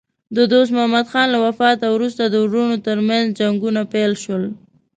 د دوست محمد خان له وفات وروسته د وروڼو ترمنځ جنګونه پیل شول.